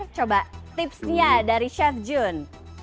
coba tipsnya dari chef jun